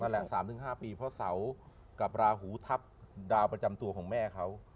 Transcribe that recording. แหละ๓๕ปีเพราะเสากับราหูทับดาวประจำตัวของแม่เขา